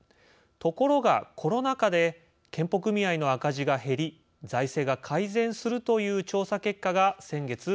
ところがコロナ禍で健保組合の赤字が減り財政が改善するという調査結果が先月公表されました。